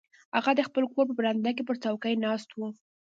هغه د خپل کور په برنډه کې پر څوکۍ ناست و.